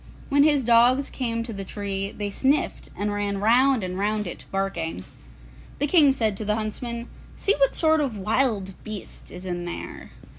When his dogs came to the tree, they sniffed, and ran round and round it, barking. The King said to the huntsmen, 'See what sort of a wild beast is in there.